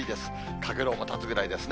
かげろうも立つぐらいですね。